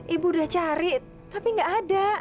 ibu udah cari tapi nggak ada